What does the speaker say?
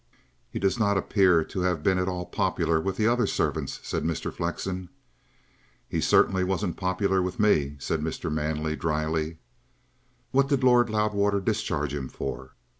"He does not appear to have been at all popular with the other servants," said Mr. Flexen. "He certainly wasn't popular with me," said Mr. Manley dryly. "What did Lord Loudwater discharge him for?"